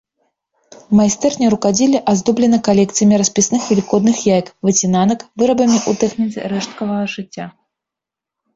Майстэрня рукадзелля аздоблена калекцыямі распісных велікодных яек, выцінанак, вырабамі ў тэхніцы рэшткавага шыцця.